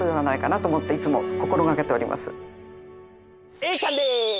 Ａちゃんです！